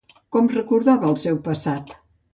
Com recordava el seu passat?